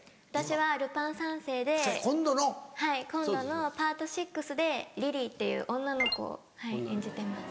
はい今度の『ＰＡＲＴ６』でリリーっていう女の子を演じてます。